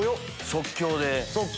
即興で。